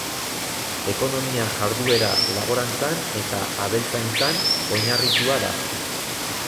Ekonomia jarduera laborantzan eta abeltzaintzan oinarritua da.